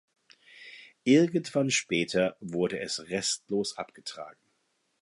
Irgendwann später wurde es restlos abgetragen.